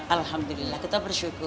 alhamdulillah kita bersyukur